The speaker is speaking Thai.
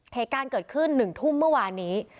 เหตุการณ์เกิดขึ้น๑ทุ่มเมื่อวานนี้